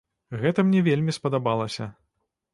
Гэта мне вельмі спадабалася.